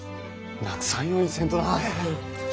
なくさんようにせんとな！